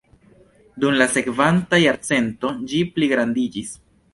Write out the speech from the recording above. Dum la sekvanta jarcento ĝi pligrandiĝis.